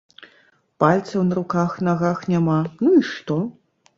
Пальцаў на руках-нагах няма, ну і што?